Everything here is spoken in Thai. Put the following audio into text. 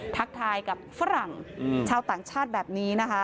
ทักทายกับฝรั่งชาวต่างชาติแบบนี้นะคะ